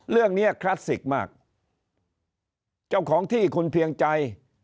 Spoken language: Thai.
เรื่องเนี้ยคลาสสิกมากเจ้าของที่คุณเพียงใจ